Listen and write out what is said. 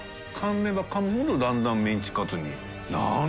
瓩かむほどだんだんメンチカツに。